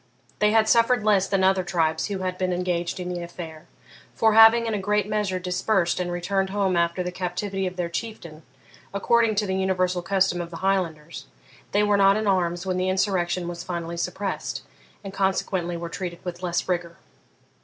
They had suffered less than other tribes who had been engaged in the affair; for, having in a great measure dispersed and returned home after the captivity of their Chieftain, according to the universal custom of the Highlanders, they were not in arms when the insurrection was finally suppressed, and consequently were treated with less rigour.